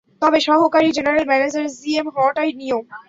তবে সহকারী general manager G M হওয়াটাই নিয়ম।